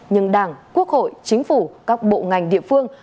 nhưng đảng quốc hội chính phủ các bộ ngành địa phương